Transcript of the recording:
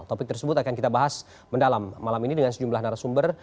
topik tersebut akan kita bahas mendalam malam ini dengan sejumlah narasumber